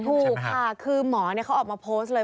ถูกค่ะคือหมอเขาออกมาโพสต์เลย